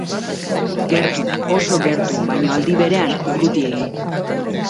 Gertu, oso gertu, baina aldi berean urrutiegi.